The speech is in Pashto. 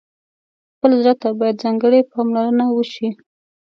خپل زړه ته باید ځانګړې پاملرنه وشي.